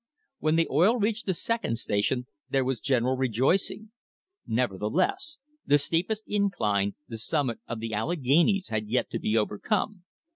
When the oil reached the second station there was general rejoicing; nevertheless, the steepest incline, the summit of the Alleghanies, had yet to be overcome.